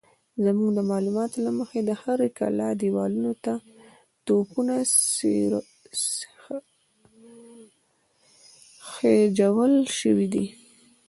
زموږ د معلوماتو له مخې د هرې کلا دېوالونو ته توپونه خېژول شوي دي.